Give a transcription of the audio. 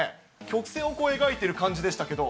曲線を描いている感じでしたけど。